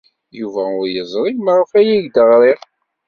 Yuba ur yeẓri maɣef ay ak-d-ɣriɣ.